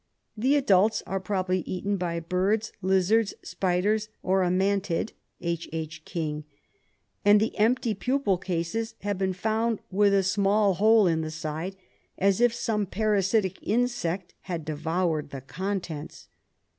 The adults are probably eaten by birds, lizards, spiders, or a mantid (H. H. King), and the empty pupal cases have been found with a small hole in the side, as if some parasitic insect had devoured the contents.